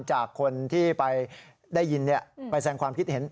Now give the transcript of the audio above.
จากคนที่ไปได้ยินไปแสงความคิดเห็น